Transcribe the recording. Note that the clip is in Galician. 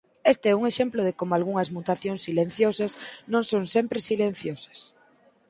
Este é un exemplo de como algunhas mutacións silenciosas non son sempre silenciosas.